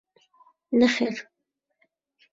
نەخێر.